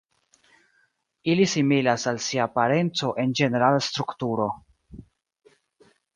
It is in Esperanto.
Ili similas al sia parenco en ĝenerala strukturo.